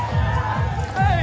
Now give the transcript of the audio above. はい！